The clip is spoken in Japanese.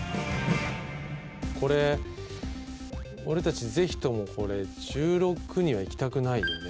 これ俺たちぜひとも１６には行きたくないよね